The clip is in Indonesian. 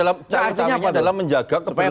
artinya adalah menjaga keberlanjutan